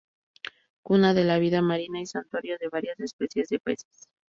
Cuna de la vida marina y santuario de varias especies de peces.